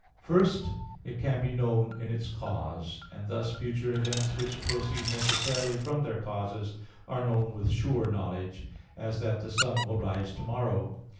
First, it can be known in its cause. And thus, future events which proceed necessarily from their causes, are known with sure knowledge; as that the sun will rise tomorrow.